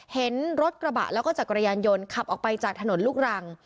เห็นรถกระบะแล้วก็จักรยานยนต์ขับออกไปจากถนนลูกรัง